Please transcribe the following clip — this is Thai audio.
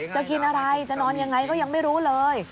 จะกินอะไรจะนอนยังไงก็ยังไม่รู้เลย